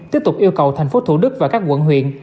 tiếp tục yêu cầu tp hcm và các quận huyện